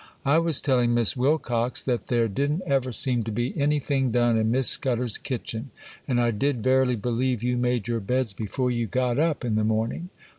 I was telling Miss Wilcox that there didn't ever seem to be anything done in Miss Scudder's kitchen, and I did verily believe you made your beds before you got up in the morning.